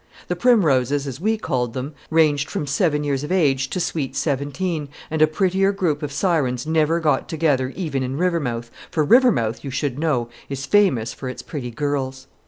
The Prim roses, as we called them, ranged from seven years of age to sweet seventeen, and a prettier group of sirens never got together even in Rivermouth, for Rivermouth, you should know, is famous for its pretty girls.